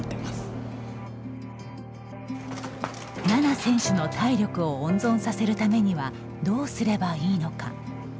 菜那選手の体力を温存させるためにはどうすればいいのか。